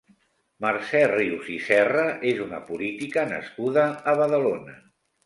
Mercè Rius i Serra és una política nascuda a Badalona.